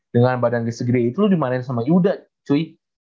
dengan badan di segitiga itu lo dimarahin sama yuda cuy